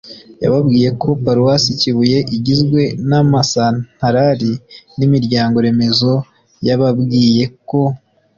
yababwiye ko paruwasi kibuye igizwe n'ama santarari n'imiryango-remezo yababwiye ko